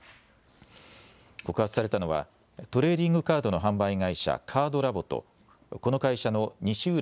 告発されたのは、トレーディングカードの販売会社、カードラボと、この会社の西浦